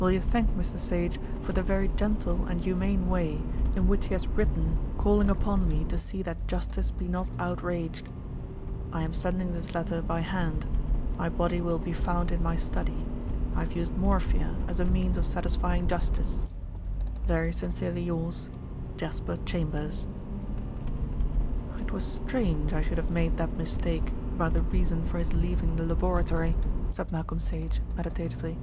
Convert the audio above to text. Will you thank Mr. Sage for the very gentle and humane way in which he has written calling upon me to see that justice be not outraged. I am sending this letter by hand. My body will be found in my study. I have used morphia as a means of satisfying justice. Very sincerely yours, Jasper Chambers. "It was strange I should have made that mistake about the reason for his leaving the laboratory," said Malcolm Sage meditatively.